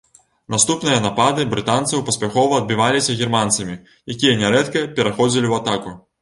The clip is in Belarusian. Наступныя напады брытанцаў паспяхова адбіваліся германцамі, якія нярэдка пераходзілі ў атаку.